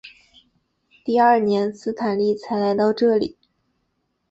第二年斯坦利才来到这里。